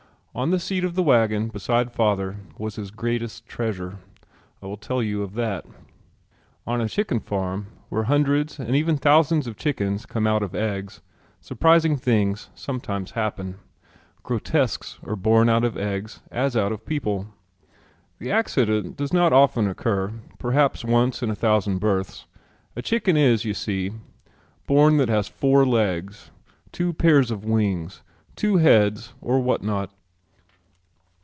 On the seat of the wagon beside father was his greatest treasure. I will tell you of that. On a chicken farm where hundreds and even thousands of chickens come out of eggs surprising things sometimes happen. Grotesques are born out of eggs as out of people. The accident does not often occur perhaps once in a thousand births. A chicken is, you see, born that has four legs, two pairs of wings, two heads or what not.